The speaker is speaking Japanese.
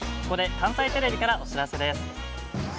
ここで関西テレビからお知らせです。